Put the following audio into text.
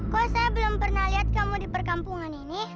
kok saya belum pernah lihat kamu di perkampungan ini